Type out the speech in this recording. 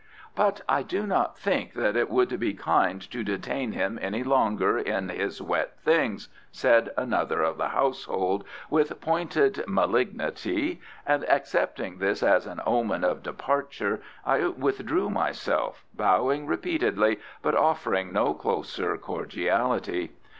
"But I do not think that it would be kind to detain him any longer in his wet things," said another of the household, with pointed malignity, and accepting this as an omen of departure, I withdrew myself, bowing repeatedly, but offering no closer cordiality.